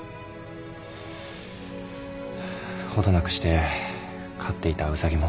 程なくして飼っていたウサギも。